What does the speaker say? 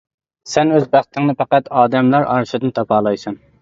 سەن ئۆز بەختىڭنى پەقەت ئادەملەر ئارىسىدىن تاپالايسەن.